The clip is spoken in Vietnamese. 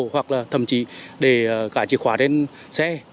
hoặc là thậm chí để cãi chìa khóa trên xe